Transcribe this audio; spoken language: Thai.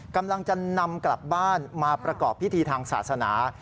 กำลังจะนำกลับบ้านมาประกอบพิธีทางศาสนา